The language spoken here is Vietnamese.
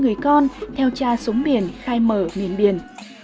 năm mươi người con theo cha sống biển khai mở miền biển